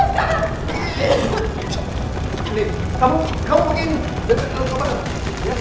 tidak bisa pak